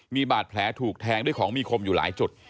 มีบาดแผลถูกแทงด้วยของมีคมอยู่หลายจุด